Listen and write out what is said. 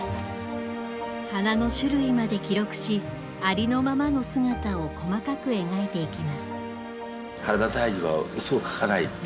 花の種類まで記録しありのままの姿を細かく描いていきます。